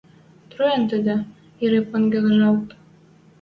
Труен тӹдӹ, ирӹ понгыжалт.